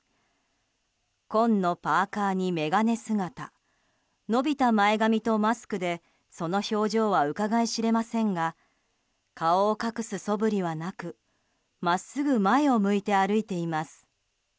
紺のパーカに眼鏡姿伸びた前髪とマスクでその表情はうかがい知れませんが顔を隠すそぶりはなく真っすぐ前を向いて歩いています。